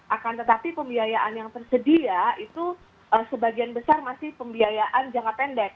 akan tetapi pembiayaan yang tersedia itu sebagian besar masih pembiayaan jangka pendek